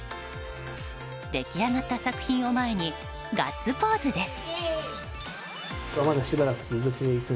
出来上がった作品を前にガッツポーズです。